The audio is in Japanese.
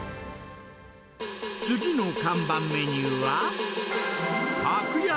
次の看板メニューは、格安！